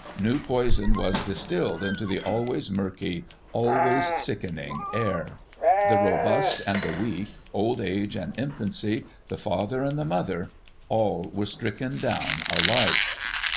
New poison was distilled into the always murky, always sickening air. The robust and the weak, old age and infancy, the father and the mother, all were stricken down alike.